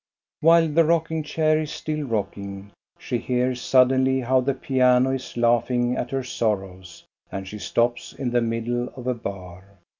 While the rocking chair is still rocking she hears suddenly how the piano is laughing at her sorrows, and she stops in the middle of a bar.